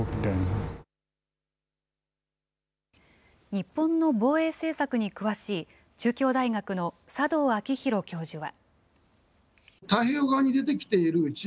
日本の防衛政策に詳しい中京大学の佐道明広教授は。